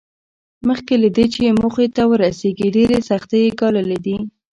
مخکې له دې چې موخې ته ورسېږي ډېرې سختۍ یې ګاللې دي